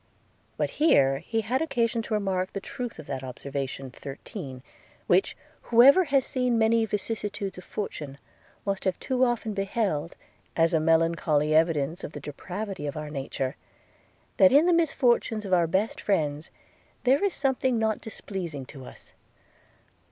But here he had occasion to remark the truth of that observation 13 which, whoever has seen many vicissitudes of fortune, must have too often beheld, as a melancholy evidence of the depravity of our nature, 'That in the misfortunes of our best friends, there is something not displeasing to us.'